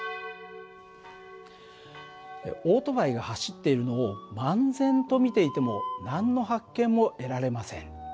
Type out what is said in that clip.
オートバイが走っているのを漫然と見ていても何の発見も得られません。